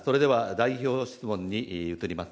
代表質問に移ります。